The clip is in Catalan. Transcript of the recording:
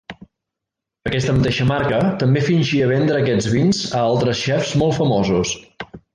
Aquesta mateixa marca també fingia vendre aquests vins a altres xefs molt famosos.